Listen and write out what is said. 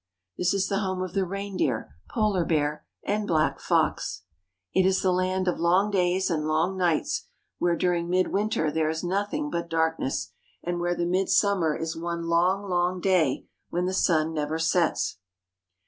This is the home of the reindeer, polar bear, and black fox. (378) They look much like our Eskimos." SIBERIA 379 It is the land of long days and long nights, where during midwinter there is nothing but darkness, and where the midsummer is one long, long day when the sun never sets.